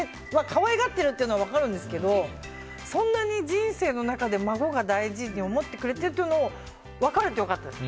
可愛がってるっていうのは分かるんですけどそんなに人生の中で孫を大事に思ってくれてるというのを分かって良かったです。